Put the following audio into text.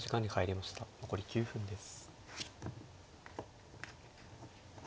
残り９分です。